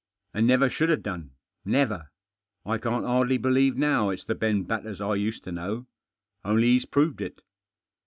And never should have done — never. I can't hardly believe now it's the Beh Batters I used to know. Only he's proved it.